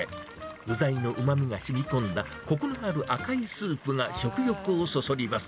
具材のうまみがしみこんだ、こくのある赤いスープが食欲をそそります。